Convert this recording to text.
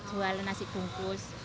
jual nasi bungkus